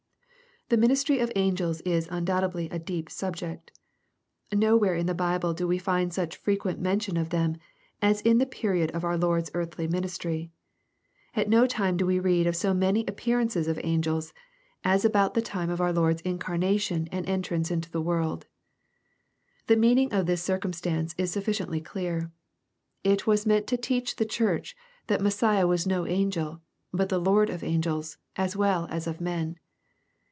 '' The ministry of angels is undoubtedly a deep subject. Nowhere in the JBible do we find such frequent mention of them, as in the period of our Lord's earthly ministry. At no time do we read of so many appearances of angels, 1* 10 EXPOSITORY THOUGHTS. as about the time of our Lord's iooamation and entrance into the world. The meaning of this circumstance is sufficiently clear. It was meant to teach the church that Messiah was no angel, but the Lord of angels, as well as of men.